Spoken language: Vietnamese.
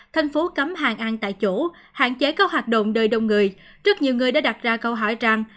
thành phố cấm hàng ăn tại chỗ hạn chế các hoạt động nơi đông người rất nhiều người đã đặt ra câu hỏi rằng